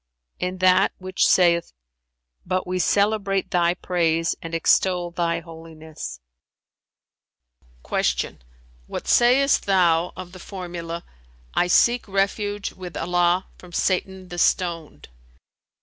"In that which saith, 'But we celebrate Thy praise and extol Thy holiness.'"[FN#361] Q "What sayest thou of the formula:—I seek refuge with Allah from Satan the Stoned?"